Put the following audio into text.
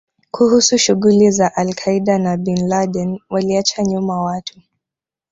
kuhusu shughuli za al Qaeda na Bin Laden Waliacha nyuma watu